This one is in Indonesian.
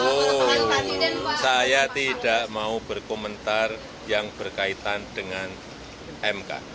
oh saya tidak mau berkomentar yang berkaitan dengan mk